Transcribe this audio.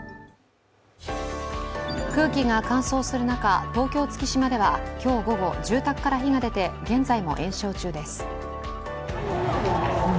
空気が乾燥する中東京・月島では今日午後住宅から火が出て現在も延焼中です。